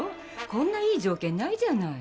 こんないい条件ないじゃない。